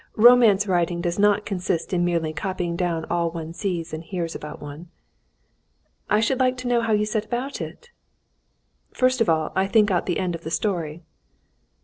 Romance writing does not consist in merely copying down all that one sees and hears about one." "I should like to know how you set about it?" "First of all I think out the end of the story."